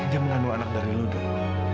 dia menganu anak dari lo dong